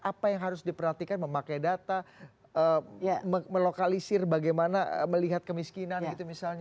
apa yang harus diperhatikan memakai data melokalisir bagaimana melihat kemiskinan gitu misalnya